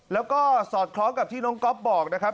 แล้วก็สอดคล้องกับที่น้องก๊อฟบอกนะครับ